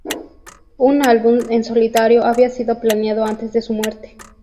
Un álbum en solitario había sido planeado antes de su muerte.